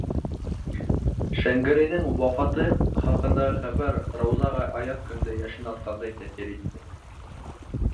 Шәңгәрәйҙең вафаты хаҡындағы хәбәр Раузаға аяҙ көндә йәшен атҡандай тәьҫир итте.